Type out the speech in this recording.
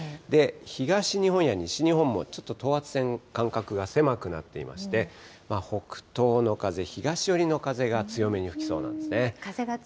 東日本や西日本も、ちょっと等圧線、間隔が狭くなっていまして、北東の風、東寄りの風が強めに吹きそうなんですね。